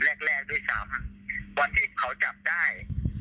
แรกแรกด้วยซ้ำวันที่เขาจับได้